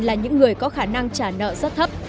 là những người có khả năng trả nợ rất thấp